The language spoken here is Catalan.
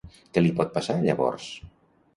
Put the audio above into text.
Què li pot passar llavors?